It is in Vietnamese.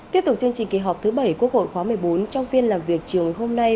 kết thúc chương trình kỳ họp thứ bảy quốc hội khóa một mươi bốn trong phiên làm việc chiều hôm nay